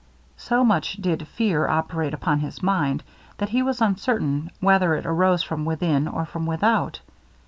So much did fear operate upon his mind, that he was uncertain whether it arose from within or from without.